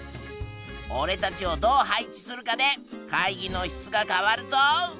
おれたちをどう配置するかで会議の質が変わるぞ！